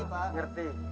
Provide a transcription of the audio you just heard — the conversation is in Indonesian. ya mengerti pak